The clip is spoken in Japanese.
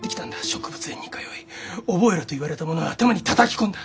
植物園に通い「覚えろ」と言われたものは頭にたたき込んだ！